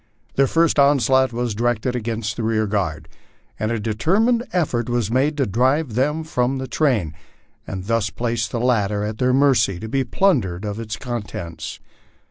Their first onslaught was directed against the rear guard, and a determined effort was made to drive them from the train, and thus place the latter at their mercy, to be plundered of its contents.